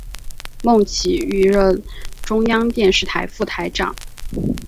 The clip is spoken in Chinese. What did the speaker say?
孟启予任中央电视台副台长。